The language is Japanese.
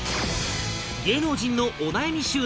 芸能人のお悩み収納。